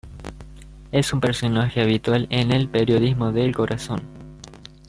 Es un personaje habitual en el periodismo del corazón.